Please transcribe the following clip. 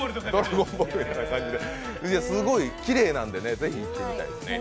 すごいきれいなんでね、ぜひ行ってみたいですね。